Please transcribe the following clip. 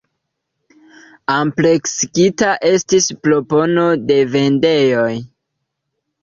Ampleksigita estis propono de vendejoj.